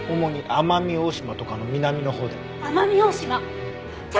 奄美大島。